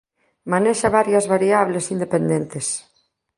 Manexa varias variables independentes.